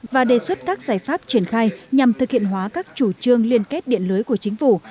và đề xuất các giải pháp triển khai nhằm thực hiện hóa các chủ trương liên kết điện lưới của chính phủ